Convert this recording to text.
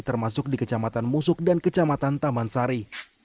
termasuk di kecamatan musuk dan kecamatan taman sari